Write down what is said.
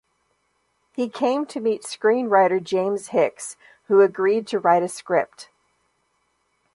He came to meet screenwriter James Hicks, who agreed to write a script.